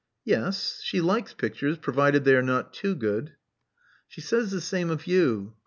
*'Yes. She likes pictures, provided they are not too good." She says the same of you.